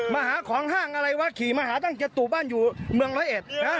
มาหาของห้างอะไรวะขี่มาหาตั้งจตุบ้านอยู่เมืองร้อยเอ็ดนะ